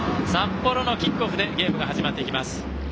札幌のキックオフでゲームが始まりました。